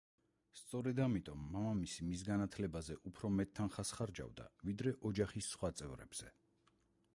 სწორედ ამიტომ, მამამისი მის განათლებაზე უფრო მეტ თანხას ხარჯავდა, ვიდრე ოჯახის სხვა წევრებზე.